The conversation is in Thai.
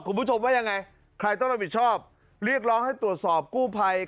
คุณผู้ชมว่ายังไงใครต้องรับผิดชอบเรียกร้องให้ตรวจสอบกู้ภัย